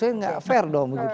oke silahkan dilanjut